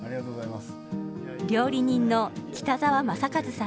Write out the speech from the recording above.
料理人の北沢正和さんです。